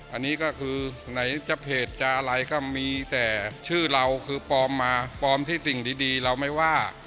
อันนี้ก็คือไหนจะเพจจะอะไรก็มีแต่ชื่อเราคือปลอมมาปลอมที่สิ่งดีเราไม่ว่า